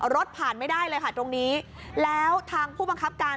รถผ่านไม่ได้เลยค่ะตรงนี้แล้วทางผู้บังคับการ